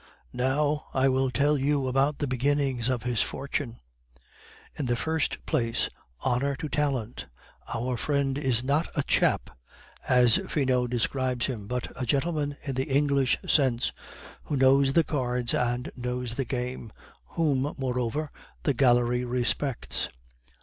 Now, I will tell you about the beginnings of his fortune. In the first place, honor to talent! Our friend is not a 'chap,' as Finot describes him, but a gentleman in the English sense, who knows the cards and knows the game; whom, moreover, the gallery respects.